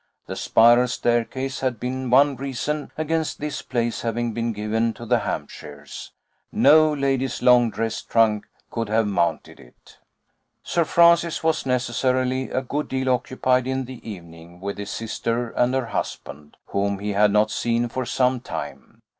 The spiral staircase had been one reason against this place having been given to the Hampshires. No lady's long dress trunk could have mounted it. Sir Francis was necessarily a good deal occupied in the evening with his sister and her husband, whom he had not seen for some time.